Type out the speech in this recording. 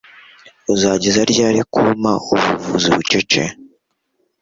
uzageza ryari kumpa ubuvuzi bucece